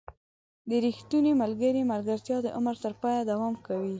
• د ریښتوني ملګري ملګرتیا د عمر تر پایه دوام کوي.